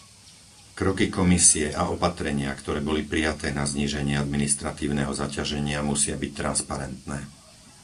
Kroky Komisie a opatrenia, ktoré boli prijaté na zníženie administratívneho zaťaženia, musia byť transparentné.